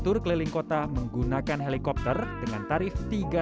tur keliling kota menggunakan helikopter dengan tarif